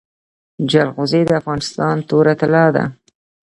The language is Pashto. جلغوزي د افغانستان توره طلا ده